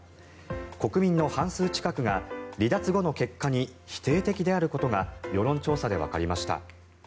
国民の半数近くが離脱後の結果に否定的であることが世論調査でわかりました。